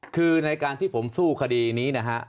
คือในการที่ผมสู้คดีนี้นะฮะ